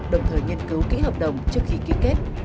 đồng thời nghiên cứu kỹ hợp đồng trước khi ký kết